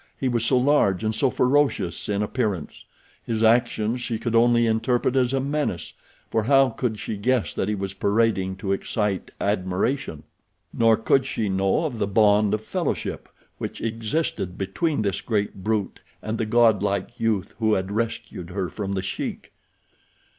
He was so large and so ferocious in appearance. His actions she could only interpret as a menace, for how could she guess that he was parading to excite admiration? Nor could she know of the bond of fellowship which existed between this great brute and the godlike youth who had rescued her from the Sheik.